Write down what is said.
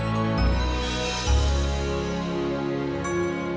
bapak jagain kamu